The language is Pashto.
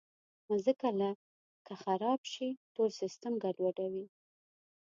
مځکه که خراب شي، ټول سیسټم ګډوډېږي.